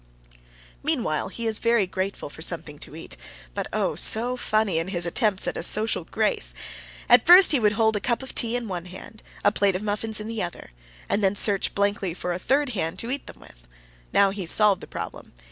Meanwhile he is very grateful for something to eat, but oh, so funny in his attempts at social grace! At first he would hold a cup of tea in one hand, a plate of muffins in the other, and then search blankly for a third hand to eat them with. Now he has solved the problem.